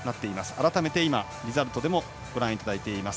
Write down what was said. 改めてリザルトでもご覧いただいています。